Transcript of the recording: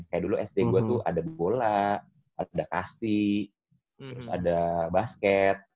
kayak dulu sd gue tuh ada bola ada kasti terus ada basket